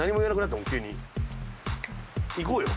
いこうよ。